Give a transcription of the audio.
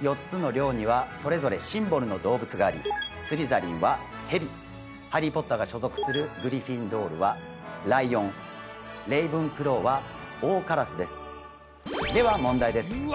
４つの寮にはそれぞれシンボルの動物がありハリー・ポッターが所属するグリフィンドールはライオンレイブンクローは大カラスですでは問題です